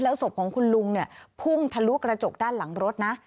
ศพของคุณลุงเนี่ยพุ่งทะลุกระจกด้านหลังรถนะ